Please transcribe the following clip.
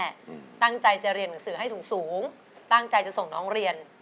แหละคุณแม่ตั้งใจจะเรียนภาษาให้สูงตั้งใจจะส่งน้องเรียน